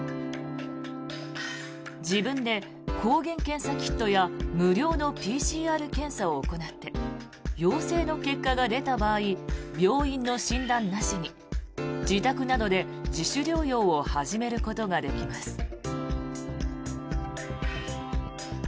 自分で抗原検査キットや無料のＰＣＲ検査を行って陽性の結果が出た場合病院の診断なしに自宅などで自主療養を始めることができます。